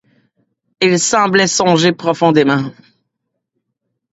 Il semblait songer profondément.